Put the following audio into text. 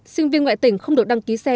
sinh viên ngoại tỉnh không được đăng ký xe